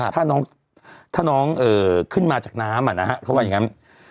ถ้าน้องขึ้นมาจากน้ำอะนะครับเขาบอกอย่างงั้น